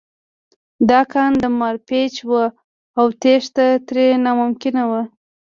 دا کان مارپیچ و او تېښته ترې ناممکنه وه